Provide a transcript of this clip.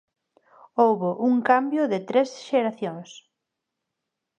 Houbo un cambio de tres xeracións.